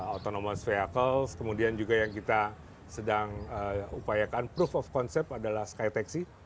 autonomous vehicles kemudian juga yang kita sedang upayakan proof of concept adalah sky taxi